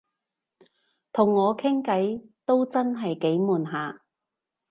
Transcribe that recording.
同我傾偈都真係幾悶下